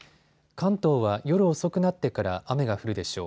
関東は夜遅くなってから雨が降るでしょう。